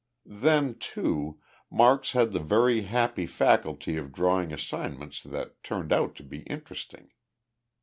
Then, too, Marks had the very happy faculty of drawing assignments that turned out to be interesting.